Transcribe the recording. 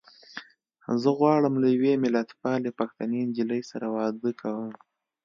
زه غواړم له يوې ملتپالې پښتنې نجيلۍ سره واده کوم.